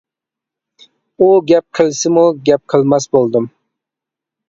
ئۇ گەپ قىلسىمۇ گەپ قىلماس بولدۇم.